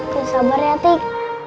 jangan sabar ya titik